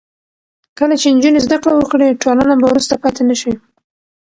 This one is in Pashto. کله چې نجونې زده کړه وکړي، ټولنه به وروسته پاتې نه شي.